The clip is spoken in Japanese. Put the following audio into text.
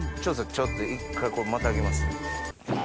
ちょっと一回こうまたぎます。